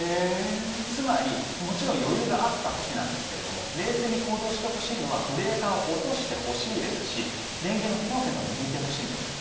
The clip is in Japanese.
つまり、もちろん余裕があった時なんですけれども冷静に行動してほしいのはブレーカーを落としてほしいですし電源の、コンセントも抜いてほしいんです。